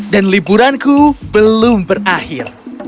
dan liburanku belum berakhir